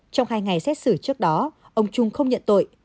trong hai ngày xét xử trước đó ông trung không nhận tội